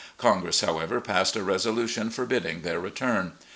Congress, however, passed a resolution for bidding their return.